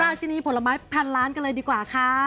ชินีผลไม้พันล้านกันเลยดีกว่าค่ะ